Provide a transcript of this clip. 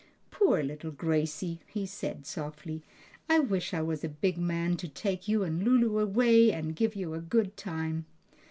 "Poor little Gracie!" he said softly. "I wish I was a big man to take you and Lulu away and give you a good time!"